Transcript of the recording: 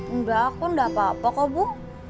enggak aku enggak apa apa kok bu